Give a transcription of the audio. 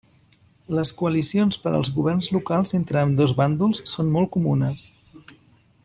Les coalicions per als governs locals entre ambdós bàndols són molt comunes.